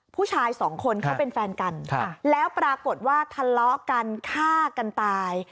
ผู้ชายสองคนเขาเป็นแฟนกันแล้วปรากฏว่าทะเลาะกันฆ่ากันตาย